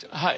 はい？